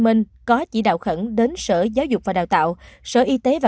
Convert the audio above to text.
ubnd tp hcm có chỉ đạo khẩn đến sở giáo dục và đào tạo